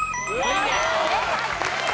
正解。